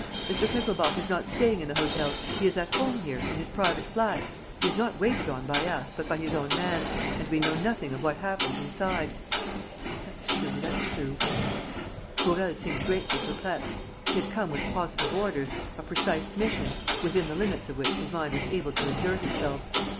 Mr. Kesselbach is not staying in the hotel; he is at home here, in his private flat. He is not waited on by us, but by his own man; and we know nothing of what happens inside." "That's true. ... That's true. ..." Gourel seemed greatly perplexed. He had come with positive orders, a precise mission, within the limits of which his mind was able to exert itself.